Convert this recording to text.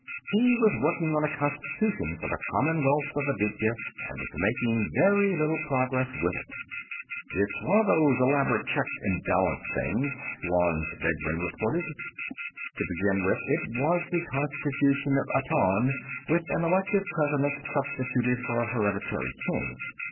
He was working on a constitution for the Commonwealth of Aditya, and was making very little progress with it. "It's one of these elaborate check and balance things," Lanze Degbrend reported. "To begin with, it was the constitution of Aton, with an elective president substituted for a hereditary king.